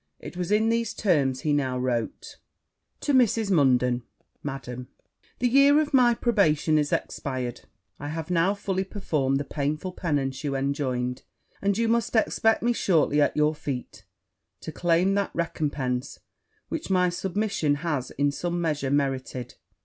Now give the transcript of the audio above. It was in these terms he now wrote. 'To Mrs. Munden. Madam, The year of my probation is expired I have now fully performed the painful penance you enjoined; and you must expect me shortly at your feet, to claim that recompence which my submission has in some measure merited.